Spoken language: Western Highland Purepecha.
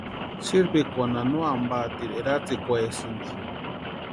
Sïrpikwanha no ampatiri eratsikwaesïnti.